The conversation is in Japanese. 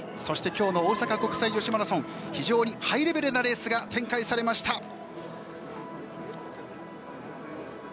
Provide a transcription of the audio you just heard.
そしてきょうの大阪国際女子マラソン非常にハイレベルなレースが展開されました。